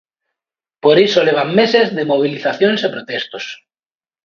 Por iso levan meses de mobilizacións e protestos.